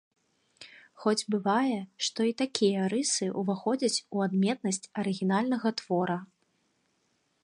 Хоць бывае, што і такія рысы ўваходзяць у адметнасць арыгінальнага твора.